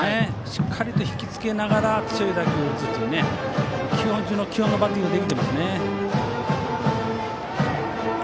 しっかりと引きつけながら強い打球を打つという基本中の基本のバッティングができていますね。